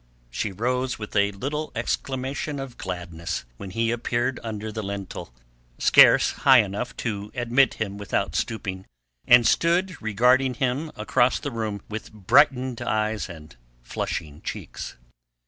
She rose with a little exclamation of gladness when he appeared under the lintel—scarce high enough to admit him without stooping—and stood regarding him across the room with brightened eyes and flushing cheeks.